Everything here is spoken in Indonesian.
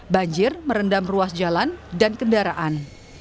banjir merendam ruas jalan dan kendaraan